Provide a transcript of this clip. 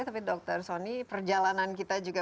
tapi dr sony perjalanan kita juga